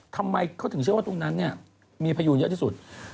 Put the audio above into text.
ทำไมเขาถึงเชื่อว่าตรงนั้นเนี่ยมีพยูนเยอะที่สุด